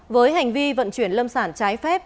với hành vi vận chuyển lâm sản trái phép